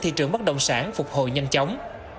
thị trường bất động sản phục hồi nhanh chóng